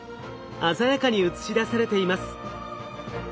鮮やかに映し出されています。